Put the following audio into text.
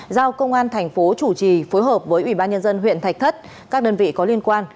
giao công an thành phố chủ trì phối hợp với ủy ban nhân dân huyện thạch thất các đơn vị có liên quan